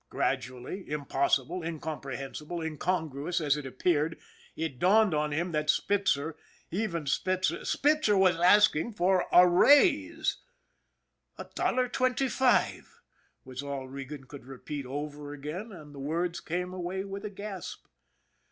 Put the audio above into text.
Gradu ally, impossible, incomprehensible, incongruous as it appeared, it dawned on him that Spitzer, even Spitzer, Spitzer was asking for a raise! " A dollar twenty five," was all Regan could repeat over again, and the words came away with a gasp.